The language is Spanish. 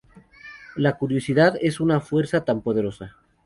La curiosidad es una fuerza tan poderosa.